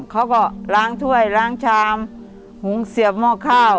เขาก็ล้างถ้วยล้างชามหุงเสียบหม้อข้าว